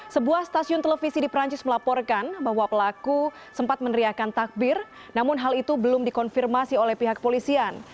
sebuah stasiun televisi di perancis melaporkan bahwa pelaku sempat meneriakan takbir namun hal itu belum dikonfirmasi oleh pihak polisian